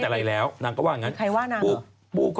ผู้ชายในไอจงไอจี